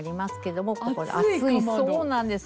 そうなんです。